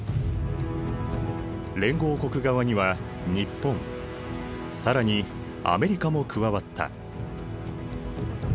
連合国側には日本更にアメリカも加わった。